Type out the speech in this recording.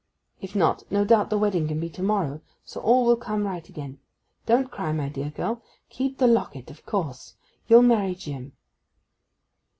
If not, no doubt the wedding can be to morrow; so all will come right again. Don't cry, my dear girl. Keep the locket, of course—you'll marry Jim.